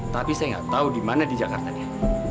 tapi saya gak tahu di mana di jakartanya